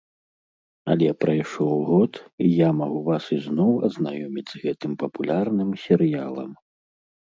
Але прайшоў год, і я магу вас ізноў азнаёміць з гэтым папулярным серыялам.